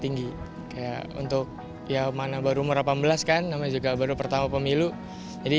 tinggi kayak untuk ya mana baru umur delapan belas kan nama juga baru pertama pemilu jadi